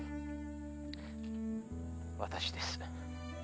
私です。